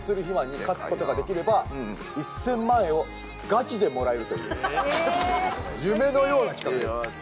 肥満に勝つことができれば１０００万円をガチでもらえるという夢のような企画です。